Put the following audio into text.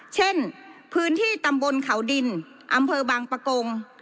เช่นพื้นที่ตำบลเขาดินอำเภอบางปะกง